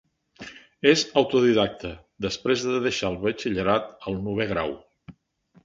És autodidacta, després de deixar el batxillerat al novè grau.